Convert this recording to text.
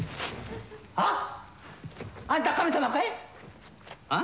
あんた神様かい？